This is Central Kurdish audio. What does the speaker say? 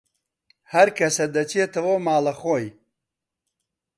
هەرکەسە دەچێتەوە ماڵەخۆی